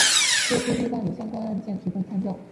为各地办理相关案件提供参照